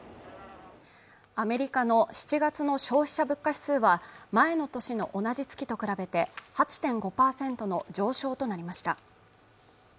アメリカの７月の消費者物価指数は前の年の同じ月と比べて８．５％の上昇となりました